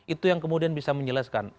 itu yang kemudian bisa menjelaskan